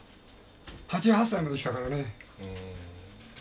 ８８歳まで生きたからね。